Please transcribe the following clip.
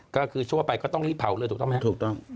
ก็คือทั่วไปก็ต้องรีบเผาเลยถูกต้องไหมครับถูกต้อง